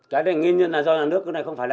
cái này nghiên nhân là do